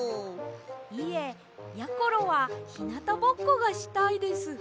いえやころはひなたぼっこがしたいです。